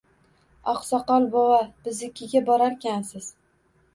Oqsoqol bovo, biznikiga borarkansiz